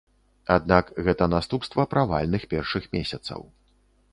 Аднак гэта наступства правальных першых месяцаў.